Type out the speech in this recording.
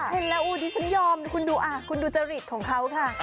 เห็นแล้วดิฉันยอมคุณดูคุณดูจริตของเขาค่ะ